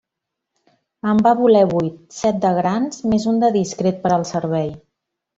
En va voler vuit, set de grans més un de discret per al servei.